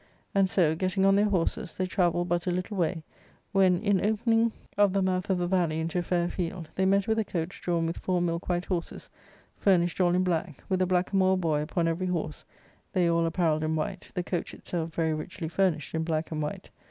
And so, getting on their horses, they travelled but a Uttle way when, in opening of the mouth of the valley into a fair field, they met with a coach drawn with four milk white horses^ fur nished all in black, with a blackamoor boy upon every horse, they all apparelled^ in white^ the coach itself very richly furnished in black and white.